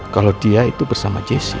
kalau dia itu bersama jesse